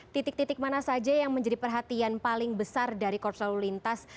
titik titik mana saja yang menjadi perhatian paling besar dari korps lalu lintas